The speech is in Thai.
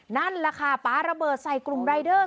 นั่นแหละค่ะป๊าระเบิดใส่กลุ่มรายเดอร์